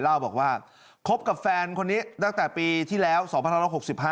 เล่าบอกว่าคบกับแฟนคนนี้ตั้งแต่ปีที่แล้ว๒๑๖๕